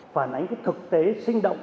phản ánh cái thực tế sinh động